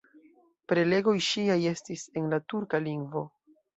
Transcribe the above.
Prelegoj ŝiaj estis en la turka lingvo.